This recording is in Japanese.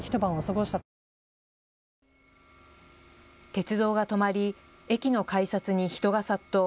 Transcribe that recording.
鉄道が止まり駅の改札に人が殺到。